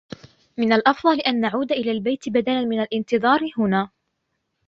من الأفضل أن نعود إلى البيت بدلا من الانتظار هنا.